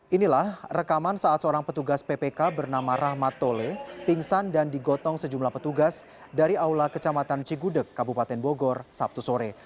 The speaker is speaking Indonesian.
inilah rekaman saat seorang petugas ppk bernama rahmat tole pingsan dan digotong sejumlah petugas dari aula kecamatan cigudeg kabupaten bogor sabtu sore